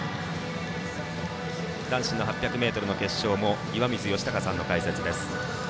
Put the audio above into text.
男子の８００ｍの決勝も岩水嘉孝さんの解説です。